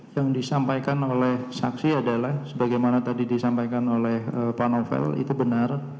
yang disampaikan oleh saksi adalah sebagaimana tadi disampaikan oleh pak novel itu benar